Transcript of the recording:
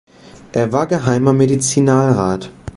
Er war Geheimer Medizinalrat.